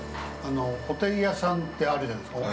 ほていやさんってあるじゃないですか。